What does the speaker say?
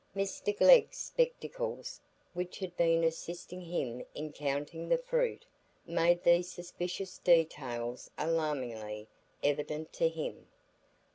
Mr Glegg's spectacles, which had been assisting him in counting the fruit, made these suspicious details alarmingly evident to him.